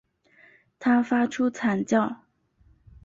他发出惨叫